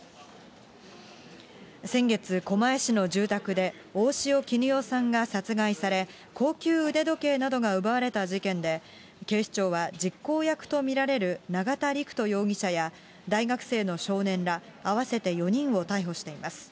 先月、狛江市の住宅で、大塩衣与さんが殺害され、高級腕時計などが奪われた事件で、警視庁は、実行役と見られる永田陸人容疑者や大学生の少年ら合わせて４人を逮捕しています。